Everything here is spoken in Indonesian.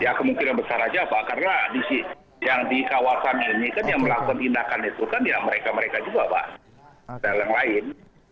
ya kemungkinan besar aja pak karena yang di kawasan ini kan yang melakukan tindakan itu kan ya mereka mereka juga pak yang lain